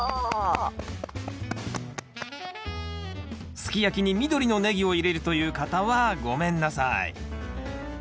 すき焼きに緑のネギを入れるという方はごめんなさい。